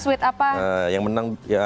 itu sweet apa